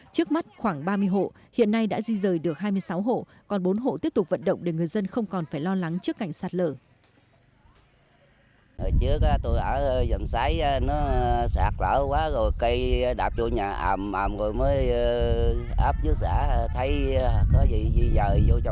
trước mắt khoảng ba mươi hộ hiện nay đã di rời được hai mươi sáu hộ còn bốn hộ tiếp tục vận động để người dân không còn phải lo lắng trước cảnh sạt lở